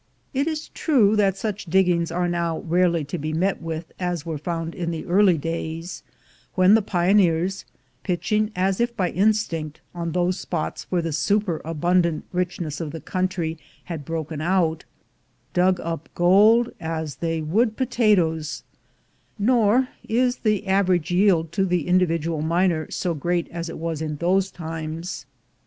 It is true that such diggings are now rarely to be met with as were found in the early days, when the pioneers, pitching, as if by instinct, on those spots where the superabundant richness of the country had broken out, dug up gold as they would potatoes; nor is the average yield to the individual miner so great as it was in those times.